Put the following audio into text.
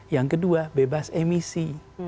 yang kedua bebas emisi